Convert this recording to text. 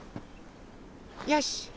よし！